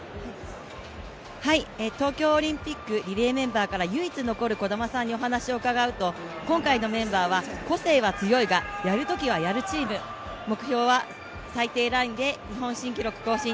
東京オリンピック、リレーメンバーから唯一残る兒玉さんにお話を伺うと今回のメンバーは個性は強いがやるときはやるチーム、目標は最低ラインで日本新記録更新。